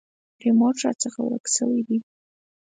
ریموټ راڅخه ورک شوی دی .